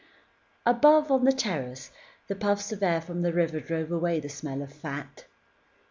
Above, on the terrace, the puffs of air from the river drove away the smell of fat.